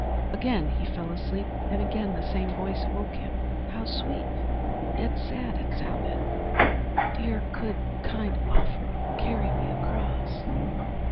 Again he fell asleep and again the same voice awoke him. How sweet, yet sad it sounded! "Dear, good, kind Offero, carry me across!"